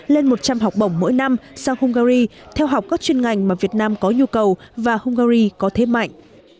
lên một trăm linh học bổng mỗi năm sang hungary theo học các chuyên ngành mà việt nam có nhu cầu và hungary có thế mạnh